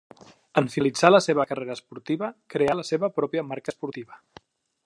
En finalitzar la seva carrera esportiva creà la seva pròpia marca esportiva.